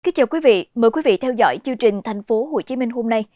kính chào quý vị mời quý vị theo dõi chương trình thành phố hồ chí minh hôm nay